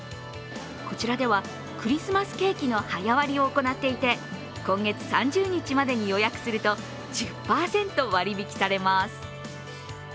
こちらではクリスマスケーキの早割りを行っていて、今月３０日までに予約すると１０％割引されます。